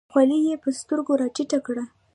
خولۍ یې په سترګو راټیټه کړه.